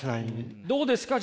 どうですか？